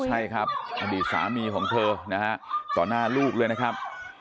ใช่ครับอดีตสามีของเธอบันดาลูกเลยนะครับ